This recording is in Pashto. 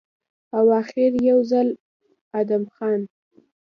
او اخر يو ځل ادم خان